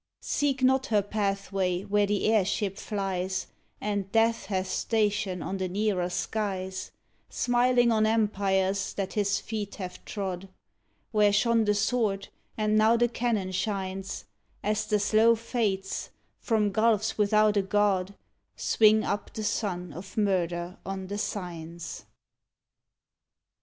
Seek not her pathway where the airship flies And Death hath station on the nearer skies, Smiling on empires that his feet have trod, Where shone the sword and now the cannon shines, As the slow Fates, from gulfs without a God, Swing up the sun of murder on the Signs.